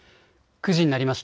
９時になりました。